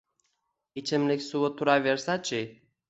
Ichimlik suvi turaversa-chi